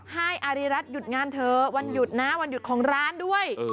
ให้อาริรัติหยุดงานเถอะวันหยุดนะวันหยุดของร้านด้วย